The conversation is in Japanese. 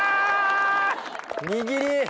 握り。